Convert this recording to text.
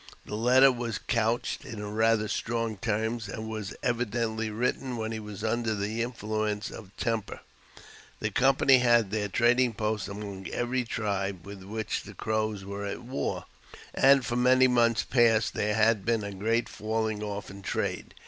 The letter was couched in rather strong terms, and was evidently written when he was under the infl r nee of temper. %The company had their trading posts among every tribe with which the Crows were at war, and for many months past there had been a great falling off in trade.